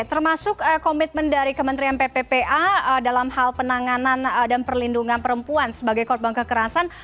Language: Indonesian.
termasuk komitmen dari kementerian pppa dalam hal penanganan dan perlindungan perempuan sebagai korban kekerasan